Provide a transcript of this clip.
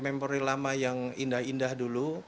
mempri lama yang indah indah dulu